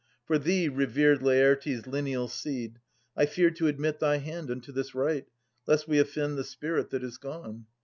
For thee, revered LaSrtes' lineal seed, I fear to admit thy hand unto this rite. Lest we offend the spirit that is gone.